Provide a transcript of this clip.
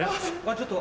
ちょっと。